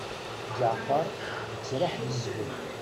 Ǧeɛfer yettraḥ d zbel.